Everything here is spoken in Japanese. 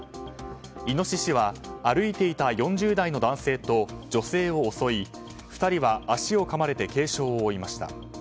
イノシシは歩いていた４０代の男性と女性を襲い２人は足をかまれて軽傷を負いました。